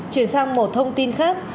chuyển sang một thông tin khác